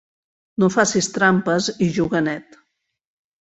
No facis trampes i juga net.